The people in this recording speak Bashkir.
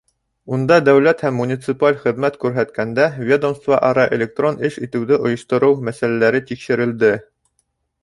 Унда дәүләт һәм муниципаль хеҙмәт күрһәткәндә ведомство-ара электрон эш итеүҙе ойоштороу мәсьәләләре тикшерелде.